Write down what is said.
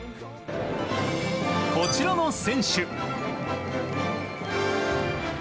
こちらの選手。